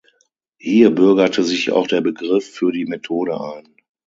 Hier bürgerte sich auch der Begriff für die Methode ein.